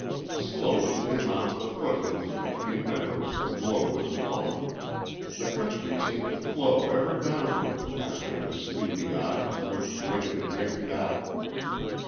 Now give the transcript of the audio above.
Slowly they mounted the foot hills between meadows aglow with color. The country seemed to flow ever downward past their sleepy eyes on its way to the great valley.